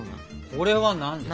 これは何ですか？